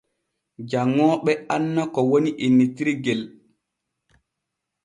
Janŋooɓe anna ko woni innitirgel.